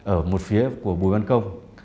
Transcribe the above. ở một phía của bùi văn công